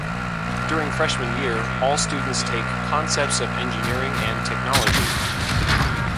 During freshman year, all students take Concepts of Engineering and Technology.